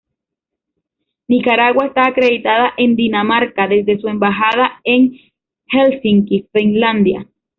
Nicaragua está acreditada en Dinamarca desde su embajada en Helsinki, Finlandia.